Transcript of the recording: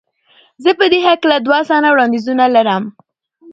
زه په دې هکله دوه اسانه وړاندیزونه لرم.